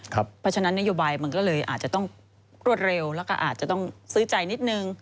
เพราะฉะนั้นนโยบายมันก็เลยอาจจะต้องรวดเร็วแล้วก็อาจจะต้องซื้อใจนิดนึง